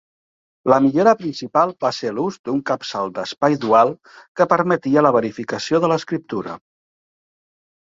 La millora principal va ser l'ús d'un capçal d'espai dual que permetia la verificació de l'escriptura.